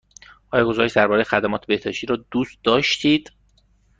آیا گزارش درباره خدمات بهداشتی را دوست داشتید؟